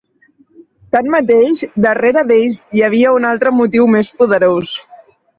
Tanmateix, darrere d'ells hi havia un altre motiu més poderós.